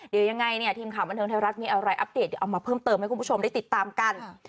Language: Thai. เดี๋ยวยังไงเนี่ยทีมข่าวบันเทิงไทยรัฐมีอะไรอัปเดตเดี๋ยวเอามาเพิ่มเติมให้คุณผู้ชมได้ติดตามกัน